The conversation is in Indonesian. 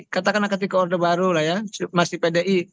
katakanlah ketika orde baru lah ya masih pdi